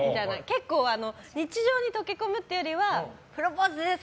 結構日常に溶け込むというよりはプロポーズです！